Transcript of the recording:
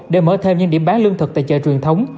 để mở thêm những điểm bán lương thực tại chợ truyền thống